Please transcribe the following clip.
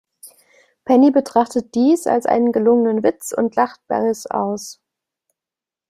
Penny betrachtet dies als einen gelungenen Witz und lacht Barris aus.